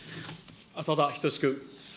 浅田均君。